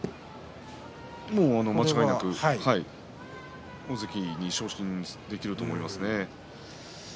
間違いなく大関に昇進できると思います。